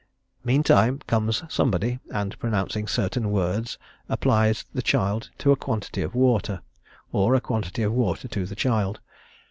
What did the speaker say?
Meantime comes somebody, and pronouncing certain words, applies the child to a quantity of water, or a quantity of water to the child.